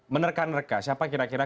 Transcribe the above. menerka nerka siapa kira kira